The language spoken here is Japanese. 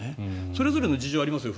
それぞれの事情はありますよ。